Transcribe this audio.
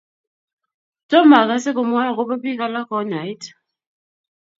Tomo akesei komwoe akobo biik alak konyait